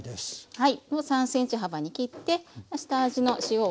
はい。